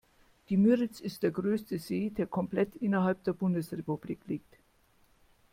Die Müritz ist der größte See, der komplett innerhalb der Bundesrepublik liegt.